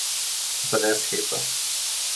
Brez heca.